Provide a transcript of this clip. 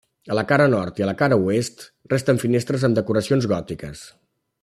A la cara nord i a la cara oest, resten finestres amb decoracions gòtiques.